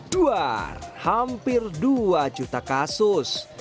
dua hampir dua juta kasus